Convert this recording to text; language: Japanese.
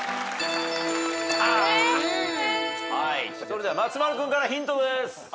それでは松丸君からヒントです。